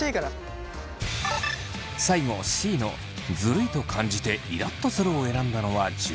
最後Ｃの「ずるいと感じてイラっとする」を選んだのは樹。